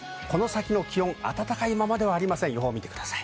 この先の気温は温かいままではありません。